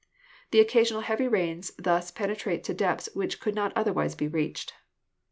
The occasional heavy rains thus penetrate to depths which could not otherwise be reached.